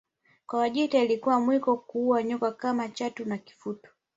Kwa Wajita ilikuwa mwiko kuua nyoka kama chatu na kifutu